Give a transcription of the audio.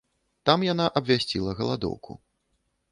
Там яна абвясціла галадоўку.